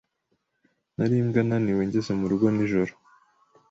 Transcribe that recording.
Nari imbwa naniwe ngeze murugo nijoro.